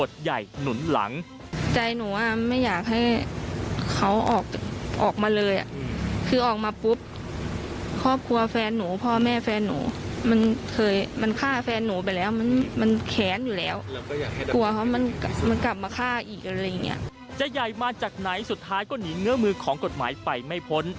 จะใหญ่มาจากไหนสุดท้ายก็หนีเงื้อมือของกฎหมายไปไม่พ้น